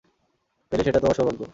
পেলে সেটা তোমার সৌভাগ্য।